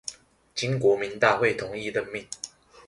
經國民大會同意任命